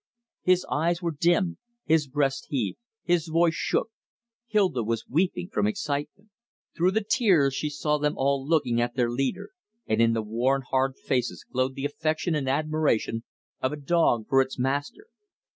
His eyes were dim; his breast heaved; his voice shook. Hilda was weeping from excitement. Through the tears she saw them all looking at their leader, and in the worn, hard faces glowed the affection and admiration of a dog for its master.